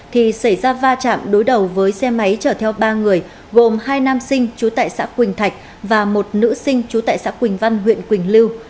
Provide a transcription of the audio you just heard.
thì xảy ra va chạm đối đầu với xe máy chở theo ba người gồm hai nam sinh trú tại xã quỳnh thạch và một nữ sinh trú tại xã quỳnh văn huyện quỳnh lưu